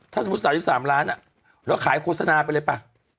ถ้าสมมุติ๓๓ล้านเราขายโฆษณาไปเลยป่ะ